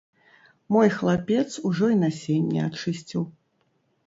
Мой хлапец ужо і насенне ачысціў.